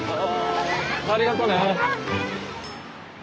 ありがとね。